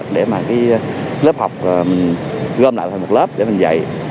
để mà lớp học mình gom lại thành một lớp để mình dạy